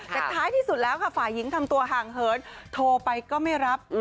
แต่ท้ายที่สุดแล้วค่ะฝ่ายหญิงทำตัวห่างเหินโทรไปก็ไม่รับ